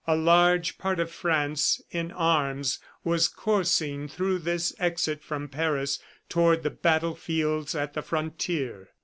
A large part of France in arms was coursing through this exit from Paris toward the battlefields at the frontier.